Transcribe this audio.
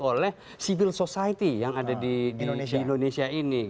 oleh civil society yang ada di indonesia ini